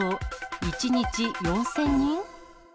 １日４０００人？